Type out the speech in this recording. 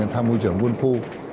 tham mưu trưởng quân khu